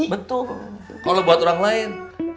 betul kalau buat orang lain